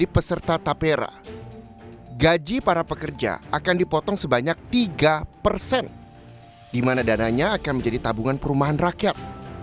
peserta tapra gaji para pekerja akan dipotong sebanyak tiga di mana dananya akan menjadi tabungan perumahan rakyat